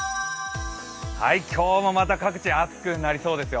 今日もまた各地、暑くなりそうですよ。